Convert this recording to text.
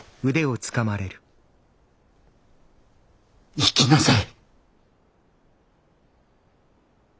生きなさい。